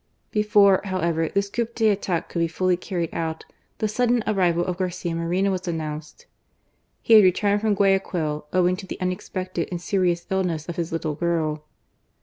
Before, however, this coup d'etat could be fully carried out, the sudden arrival of Garcia Moreno was announced. He had returned from Guayaquil owing to the unexpected and serious illness of his little girl.